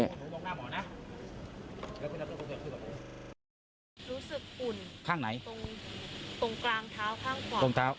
รู้สึกอุ่นข้างไหนตรงกลางเท้าข้างขวา